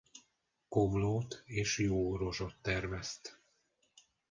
Komlót és jó rozsot termeszt.